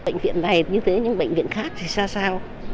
nhưng bệnh viện khác thì xa xao